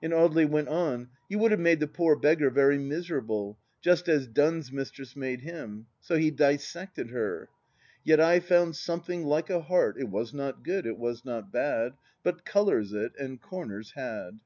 And Audely went on :" You would have made the poor beggar very miserable, just as Donne's mistress made him. So he dbsected her. "Yet I found something like a heart, It was not good, it was not bad, But colours it, and comers, had."